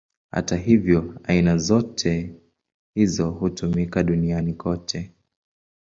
Hata hivyo, aina zote hizi hutumika duniani kote.